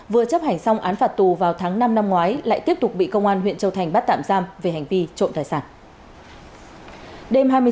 vừa chấp hành xong án phạt tù vào tháng năm năm ngoái lại tiếp tục bị công an huyện châu thành bắt tạm giam về hành vi trộm tài sản